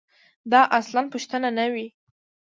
دا اصلاً پوښتنه نه وي.